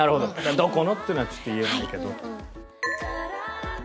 どこのっていうのはちょっと言えないけど。